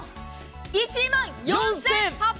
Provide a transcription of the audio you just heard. １万４８００円。